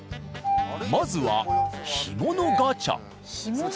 まずは干物ガチャ。